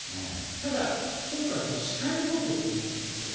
ただ、今回、この死体領得なんですよ。